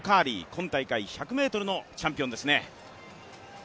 今大会１００ｍのチャンピオンですね。